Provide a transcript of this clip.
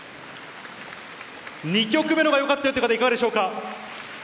２曲目のほうがよかったよという方、いかがでしょうか。